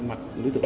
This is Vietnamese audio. mặt đối tượng